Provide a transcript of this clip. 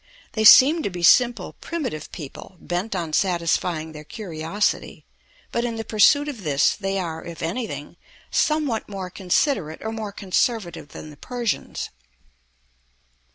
They seem to be simple, primitive people, bent on satisfying their curiosity; but in the pursuit of this they are, if anything, somewhat more considerate or more conservative than the Persians.